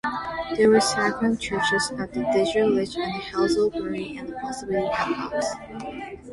There were Saxon churches at Ditteridge and Hazelbury, and possibly at Box.